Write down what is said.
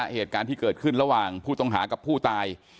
เหตุการณ์ที่เกิดขึ้นระหว่างผู้ต้องหากับผู้ตาย